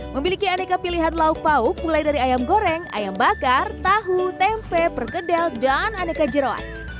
memiliki aneka pilihan lauk pauk mulai dari ayam goreng ayam bakar tahu tempe perkedel dan aneka jeruan